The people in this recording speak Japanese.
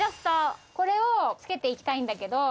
これを付けていきたいんだけど。